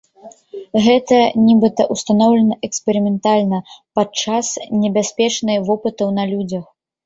Гэта, нібыта, устаноўлена эксперыментальна падчас небяспечных вопытаў на людзях.